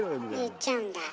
言っちゃうんだ？